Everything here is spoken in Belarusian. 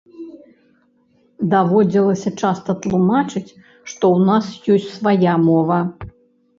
Даводзілася часта тлумачыць, што ў нас ёсць свая мова.